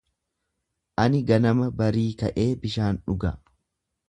Ani ganama barii ka’ee bishaan dhuga.